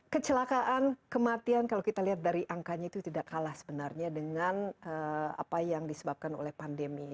kecelakaan kematian kalau kita lihat dari angkanya itu tidak kalah sebenarnya dengan apa yang disebabkan oleh pandemi